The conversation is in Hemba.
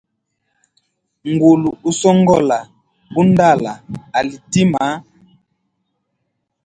Ngulu usongola undala ali tima.